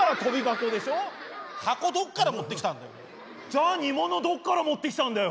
じゃあ煮物どこから持ってきたんだよ！